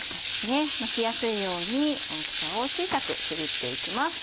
巻きやすいように大きさを小さくちぎっていきます。